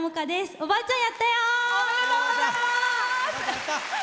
おばあちゃん、やったよ！